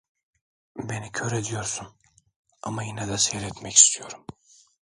Beni kör ediyorsun, ama yine de seyretmek istiyorum.